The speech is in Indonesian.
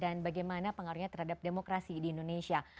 dan bagaimana pengaruhnya terhadap demokrasi di indonesia